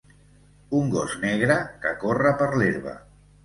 Un gos negre que corre per l'herba.